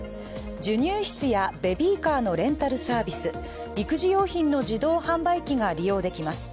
授乳室やベビーカーのレンタルサービス、育児用品の自動販売機が利用できます。